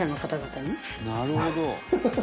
「なるほど」